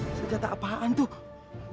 eh senjata apaan tuh